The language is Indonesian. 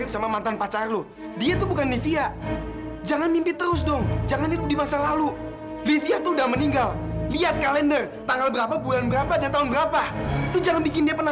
sampai jumpa di video selanjutnya